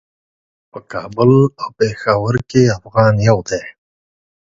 په کابل او پیښور کې افغان یو دی.